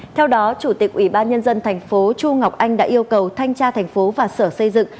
theo đó chủ tịch ubnd tp chu ngọc anh đã yêu cầu thanh tra thành phố và xã hội